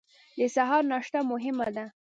د سهار ناشته مهمه ده